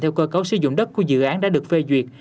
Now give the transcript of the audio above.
theo cơ cấu sử dụng đất của dự án đã được phê duyệt